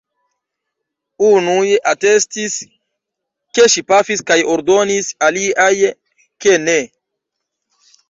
Unuj atestis, ke ŝi pafis kaj ordonis, aliaj, ke ne.